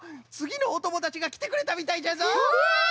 つぎのおともだちがきてくれたみたいじゃぞ！